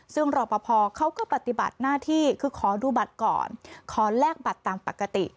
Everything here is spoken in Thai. ซึ่งรอปภเขาก็ปฏิบัติหน้าที่คือขอดูบัตรก่อนขอแลกบัตรตามปกติ